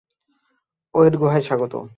ওয়েড গুহায় স্বাগত।